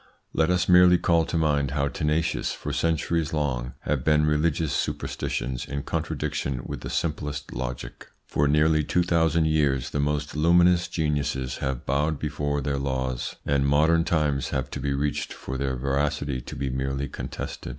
Let us merely call to mind how tenacious, for centuries long, have been religious superstitions in contradiction with the simplest logic. For nearly two thousand years the most luminous geniuses have bowed before their laws, and modern times have to be reached for their veracity to be merely contested.